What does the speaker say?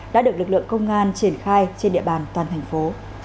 đã được lực lượng công an triển khai trên địa bàn toàn thành phố